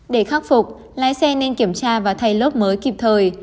để khắc phục lái xe nên kiểm tra và thay lớp mới kịp thời